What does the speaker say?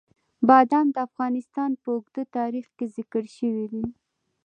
بادام د افغانستان په اوږده تاریخ کې ذکر شوی دی.